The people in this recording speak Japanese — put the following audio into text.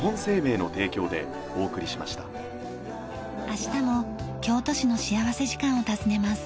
明日も京都市の幸福時間を訪ねます。